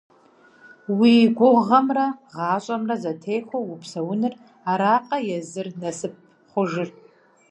Уи гугъэмрэ гъащӏэмрэ зэтехуэу упсэуныр аракъэ езыр насып хъужыр?!